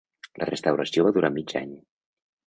La restauració va durar mig any.